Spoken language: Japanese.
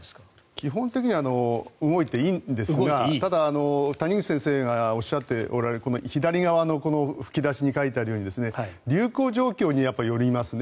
基本的には動いていいんですがただ、谷口先生がおっしゃっておられるこの左側の吹き出しに書いてあるように流行状況によりますね。